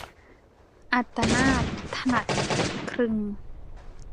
อัตตนาถ-ถนัดกลึง